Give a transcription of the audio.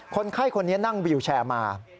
คนไข้คนนี้นั่งวิวแชร์มา